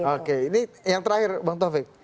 oke ini yang terakhir bang taufik